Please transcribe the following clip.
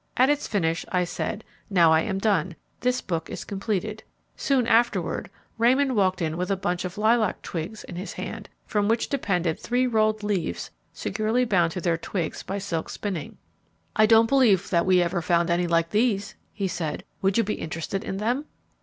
At its finish I said, "Now I am done. This book is completed." Soon afterward, Raymond walked in with a bunch of lilac twigs in his hand from which depended three rolled leaves securely bound to their twigs by silk spinning. "I don't remember that we ever found any like these," he said. 'Would you be interested in them?'